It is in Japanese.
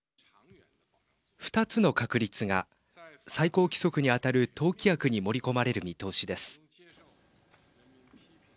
２つの確立が最高規則に当たる党規約に盛り込まれる見通しです。